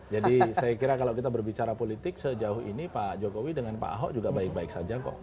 jadi saya kira kalau kita berbicara politik sejauh ini pak jokowi dengan pak ahok juga baik baik saja kok